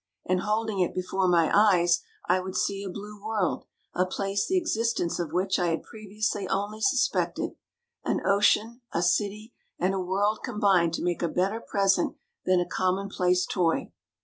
And holding it before my eyes I would see a blue world, a place the exist ence of which I had previously only sus pected. An ocean, a city, and a world combine to make a better present than a commonplace toy.